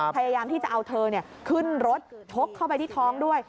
พยายามที่จะเอาเธอขึ้นรถชกเข้าไปที่ท้องด้วย